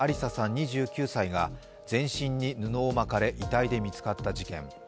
２９歳が全身に布を巻かれ遺体で見つかった事件。